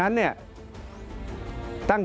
พี่รวบอย่างไร